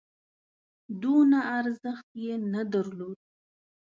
دونه ارزښت یې نه درلود.